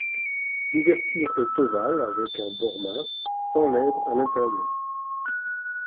L'ouverture est ovale avec un bord mince, sans lèvre à l'intérieur.